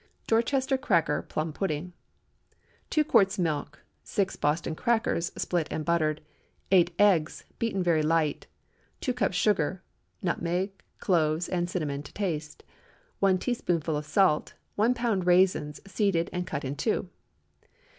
DORCHESTER CRACKER PLUM PUDDING. 2 quarts milk. 6 Boston crackers—split and buttered. 8 eggs—beaten very light. 2 cups sugar. Nutmeg, cloves, and cinnamon to taste. 1 teaspoonful of salt. 1 lb. raisins, seeded and cut in two.